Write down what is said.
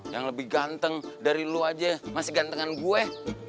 yang lebih ganteng dari lu aja masih gantengan gue